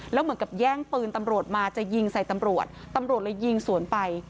แล้วเหมือนกับแย่งปืนตำรวจมาจะยิงใส่ตำรวจตำรวจเลยยิงสวนไป